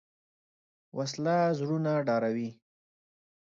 وسله زړونه ډاروي